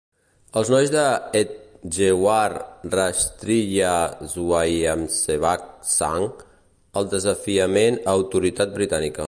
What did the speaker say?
Els nois de Hedgewar Rashtriya Swayamsevak Sangh; el desafiament a autoritat britànica.